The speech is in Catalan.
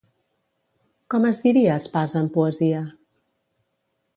Com es diria espasa en poesia?